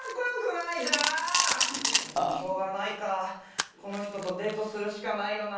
でもしょうがないかこの人とデートするしかないよな。